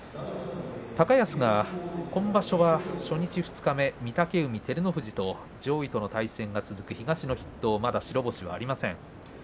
高安は今場所、初日、二日目と御嶽海、照ノ富士と上位の対戦が続く東の筆頭まだ白星がありません。